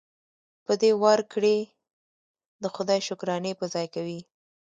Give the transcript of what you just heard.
په دې ورکړې د خدای شکرانې په ځای کوي.